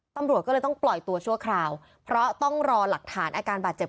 ตำรวจก็เลยต้องปล่อยตัวชั่วคราวเพราะต้องรอหลักฐานอาการบาดเจ็บ